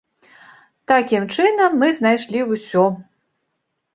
Такім чынам мы знайшлі ўсё.